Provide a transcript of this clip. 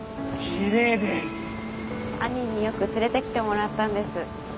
兄によく連れてきてもらったんです。